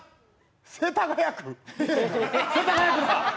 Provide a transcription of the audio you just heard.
世田谷区だ！